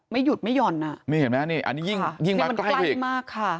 ไม่หยุดไม่หย่อนอ่ะมันใกล้มากค่ะ